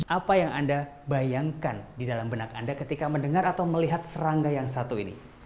apa yang anda bayangkan di dalam benak anda ketika mendengar atau melihat serangga yang satu ini